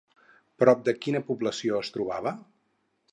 Prop de quina població es trobava?